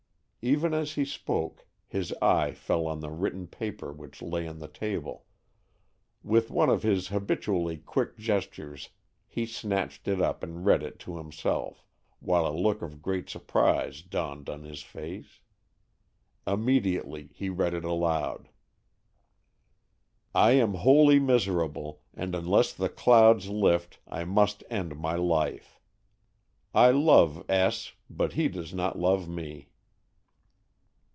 Even as he spoke his eye fell on the written paper which lay on the table. With one of his habitually quick gestures he snatched it up and read it to himself, while a look of great surprise dawned on his face. Immediately he read it aloud: I am wholly miserable, and unless the clouds lift I must end my life. I love S., but he does not love me.